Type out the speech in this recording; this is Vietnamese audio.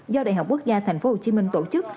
do đại học quốc gia tp hcm tổ chức